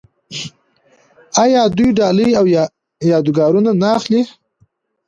آیا دوی ډالۍ او یادګارونه نه اخلي؟